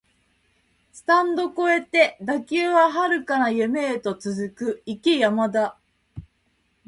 スタンド超えて打球は遥かな夢へと続く、行け山田